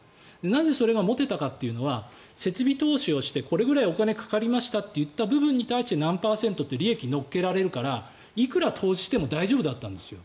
なぜそれが持てたかっていうのは設備投資をしてこれぐらいお金がかかりましたって言った部分に対して何パーセントって利益を乗っけられるからいくら投資をしても大丈夫だったんですよ。